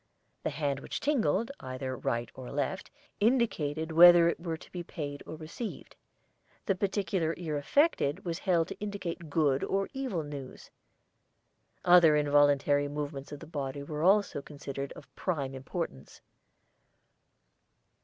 The hand which tingled, either right or left, indicated whether it were to be paid or received. The particular ear affected was held to indicate good or evil news. Other involuntary movements of the body were also considered of prime importance.